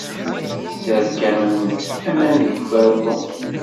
Tesserkamemt aman deg ufarnu.